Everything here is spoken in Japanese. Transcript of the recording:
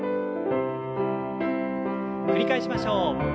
繰り返しましょう。